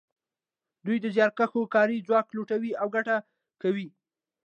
دوی د زیارکښو کاري ځواک لوټوي او ګټه کوي